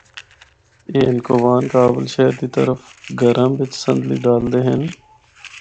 اے ہندکوان کابل شہر دی طرح گھراں بچ صندلی ڈالدے ہن۔